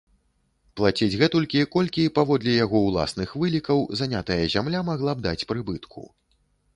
Плаціць гэтулькі, колькі, паводле яго ўласных вылікаў, занятая зямля магла б даць прыбытку.